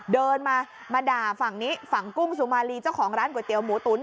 เดินมามาด่าฝั่งนี้ฝั่งกุ้งสุมารีเจ้าของร้านก๋วยเตี๋ยหมูตุ๋น